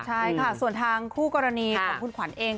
ใช่ค่ะส่วนทางคู่กรณีของคุณขวัญเอง